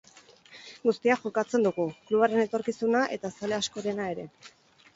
Guztia jokatzen dugu, klubaren etorkizuna eta zale askorena ere.